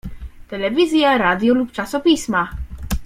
Telewizja, radio lub czasopisma.